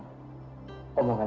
jangan dengarkan orang orang